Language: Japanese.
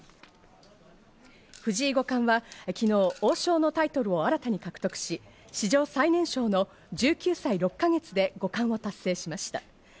藤井五冠は昨日、王将のタイトルを新たに獲得し、史上最年少の１９歳６ヶ月で五冠を達成しました。